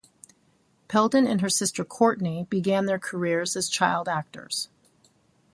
Peldon and her sister Courtney began their careers as child actors.